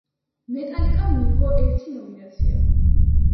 მეტალიკამ მიიღო ერთი ნომინაცია.